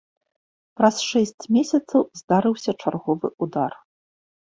Праз шэсць месяцаў здарыўся чарговы ўдар.